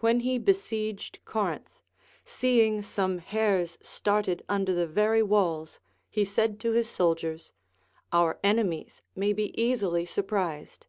When he besieged Corinth, seeing some hares started under the very Avails, he said to his soldiers, Our enemies may be easily surprised.